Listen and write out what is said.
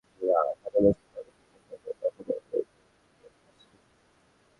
গতকাল রোববার বিকেল চারটায় ঘটনাস্থলে গিয়ে দেখা যায়, তখনো নদীতে তেল ভাসছিল।